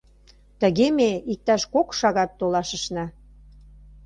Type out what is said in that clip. Тыге ме иктаж кок шагат толашышна.